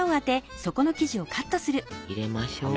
入れましょう。